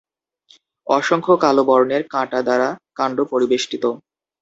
অসংখ্য কালো বর্ণের কাঁটা দ্বারা কাণ্ড পরিবেষ্টিত।